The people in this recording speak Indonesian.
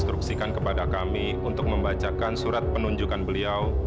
instruksikan kepada kami untuk membacakan surat penunjukan beliau